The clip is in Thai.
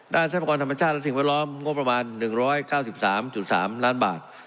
ทรัพยากรธรรมชาติและสิ่งแวดล้อมงบประมาณ๑๙๓๓ล้านบาท